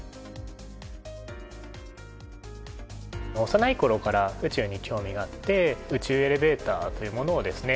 幼い頃から宇宙に興味があって宇宙エレベーターというものをですね